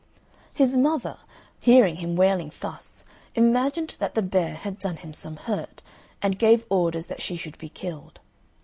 His mother, hearing him wailing thus, imagined that the bear had done him some hurt, and gave orders that she should be killed.